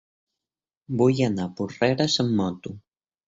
Vull anar a Porreres amb moto.